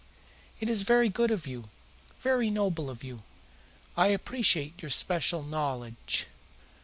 "It is very good of you very noble of you. I appreciate your special knowledge."